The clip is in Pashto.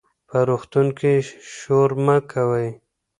په روغتون کې شور مه کوئ.